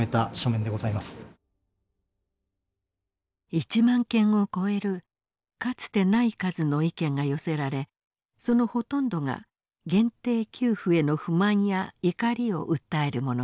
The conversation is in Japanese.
１万件を超えるかつてない数の意見が寄せられそのほとんどが限定給付への不満や怒りを訴えるものでした。